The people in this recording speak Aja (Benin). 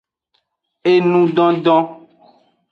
Engudondon.